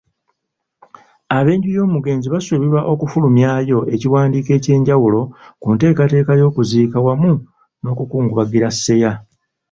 Ab'enju y'omugenzi basuubirwa okufulumyawo ekiwandiiko eky'enjawulo ku nteekateeka y'okuziika wamu n'okukungubagira Seeya.